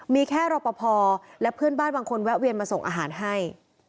มีแค่รอปภและเพื่อนบ้านบางคนแวะเวียนมาส่งอาหารให้